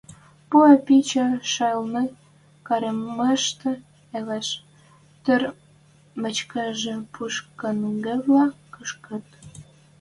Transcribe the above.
Пӱӓ пичӹ шайылны, каремӹштӹ ылеш, тӹр мычкыжы пушӓнгӹвлӓ кушкыт.